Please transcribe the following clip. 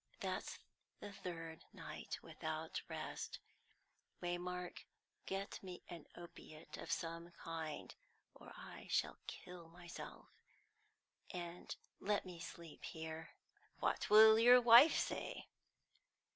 That's the third night without rest. Waymark, get me an opiate of some kind, or I shall kill myself; and let me sleep here." "What will your wife say?"